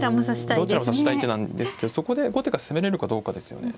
どちらも指したい手なんですけどそこで後手が攻めれるかどうかですよね。